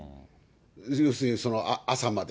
要するに朝まで。